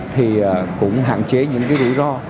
thì cũng hạn chế những rủi ro